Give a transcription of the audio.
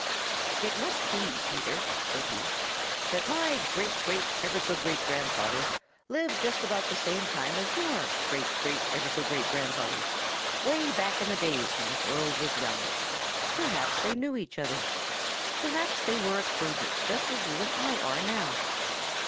"It must be, Peter," said he, "that my great great ever so great grandfather lived just about the same time as your great great ever so great grandfather, way back in the days when the world was young. Perhaps they knew each other. Perhaps they were acquainted just as you and I are now.